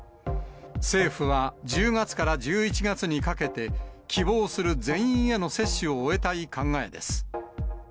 政府は、１０月から１１月にかけて、希望する全員への接種を終えたい考えです。